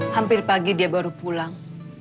hampir pagi dia baru pulang